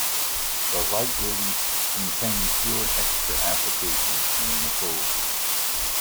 The Lite release contained fewer extra applications than the Full release.